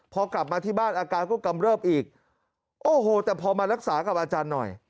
พอกลับมาที่บ้านอาการก็กำเริบอีกโอ้โหแต่พอมารักษากับอาจารย์หน่อย